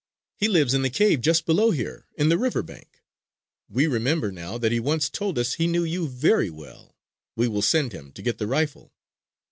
He lives in the cave just below here in the river bank. We remember now that he once told us he knew you very well. We will send him to get the rifle."